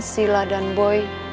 sila dan boy